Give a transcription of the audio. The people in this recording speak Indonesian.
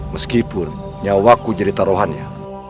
meskipun nyawaku jadi taruhannya